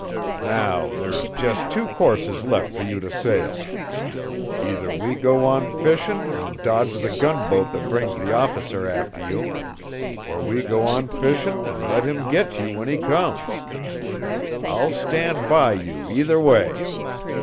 "Now, there's jest two courses left fer you to sail. Either we go on fishin' an' dodge the gunboat that brings the officer after you, or we go on fishin' an' let him get you when he comes. I'll stand by you either way.